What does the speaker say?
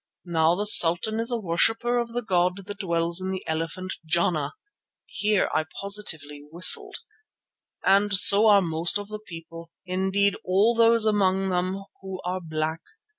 Now the sultan is a worshipper of the god that dwells in the elephant Jana" (here I positively whistled) "and so are most of the people, indeed all those among them who are black.